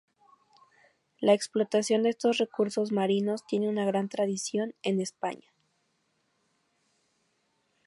La explotación de estos recursos marinos tiene una gran tradición en España.